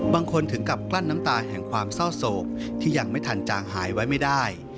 ถึงกับกลั้นน้ำตาแห่งความเศร้าโศกที่ยังไม่ทันจางหายไว้ไม่ได้